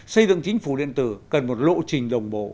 xây dựng chính phủ điện tử cần một lộ trình